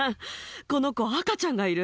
この子赤ちゃんがいる。